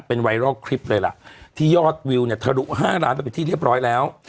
เป็นไวรัลคลิปเลยล่ะที่ยอดวิวเนี่ยทะลุ๕ล้านไปเป็นที่เรียบร้อยแล้ว